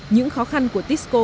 những khó khăn của tisco